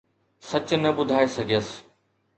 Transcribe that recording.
سچ نه ٻڌائي سگهيس.